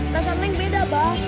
rasanya beda abang